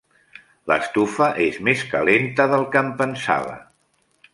L'estufa és més calenta del que em pensava.